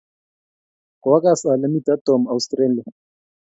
koagas ale mito Tom Australia